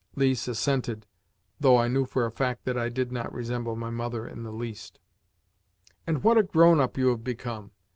Lise assented, though I knew for a fact that I did not resemble my mother in the least. "And what a grown up you have become!